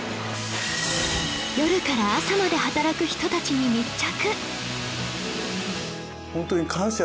夜から朝まで働く人たちに密着！